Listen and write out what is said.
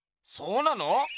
そうなの？